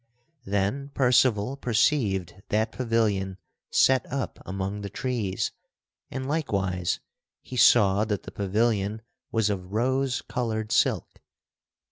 Then Percival perceived that pavilion set up among the trees, and likewise he saw that the pavilion was of rose colored silk.